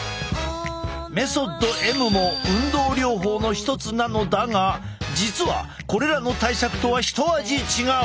メソッドＭも運動療法の一つなのだが実はこれらの対策とは一味違う！